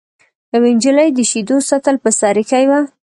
یوې نجلۍ د شیدو سطل په سر ایښی و.